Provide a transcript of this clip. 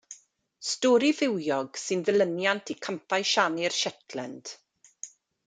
Stori fywiog sy'n ddilyniant i Campau Siani'r Shetland.